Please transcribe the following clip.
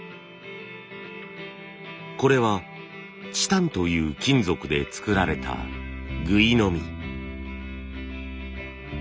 これはチタンという金属で作られたぐいのみ。